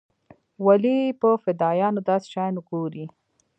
ولې په فدايانو داسې شيان ګوري.